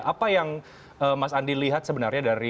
apa yang mas andi lihat sebenarnya dari